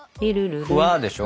ふわでしょ